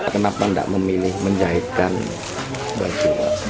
kenapa tidak memilih menjahitkan baju